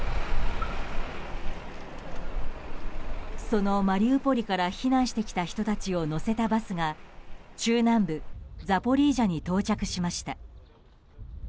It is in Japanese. そのマリウポリから避難してきた人たちを乗せたバスが中南部ザポリージャに到着しました。